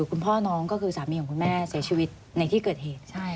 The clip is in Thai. คุณพ่อน้องก็คือสามีของคุณแม่เสียชีวิตในที่เกิดเหตุ